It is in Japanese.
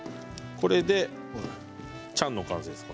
これでチャンの完成です。